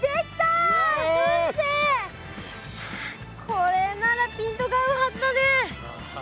これならピントが合うはずだね。